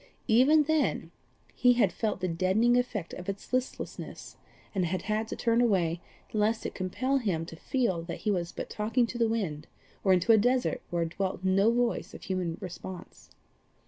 Even then he had felt the deadening effect of its listlessness, and had had to turn away lest it should compel him to feel that he was but talking to the winds, or into a desert where dwelt no voice of human response.